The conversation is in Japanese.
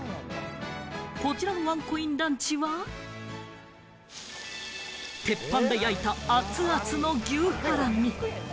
こちらのワンコインランチは、鉄板で焼いた熱々の牛ハラミ。